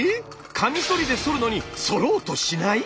カミソリでそるのにそろうとしない？